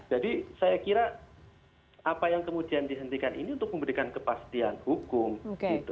jadi saya kira apa yang kemudian dihentikan ini untuk memberikan kepastian hukum gitu